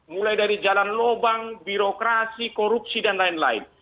mulai dari jalan lubang birokrasi korupsi dan lain lain